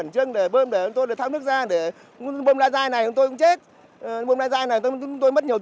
trong đó tám mươi là ngập trắng